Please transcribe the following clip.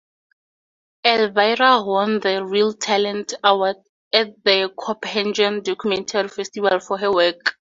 Elvira won the Reel Talent Award at the Copenhagen Documentary Festival for her work.